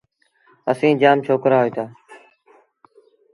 اسيٚݩ جآم ڇوڪرآ هوئيٚتآ۔